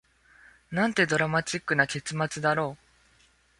なんてドラマチックな結末だろう